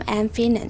đã xây dựng